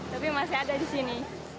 tapi masih ada di sini